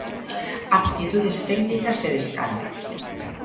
Aptitudes técnicas e descaro.